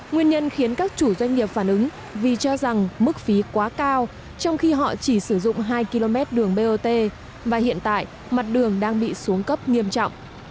nguyên nhân khiến các chủ doanh nghiệp phản ứng vì cho rằng mức phí quá cao trong khi họ chỉ sử dụng hai km đường bot và hiện tại mặt đường đang bị xuống cấp nghiêm trọng